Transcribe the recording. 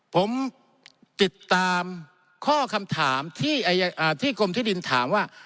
ผมติดตามข้อคำถามที่กรมที่ดินถามว่า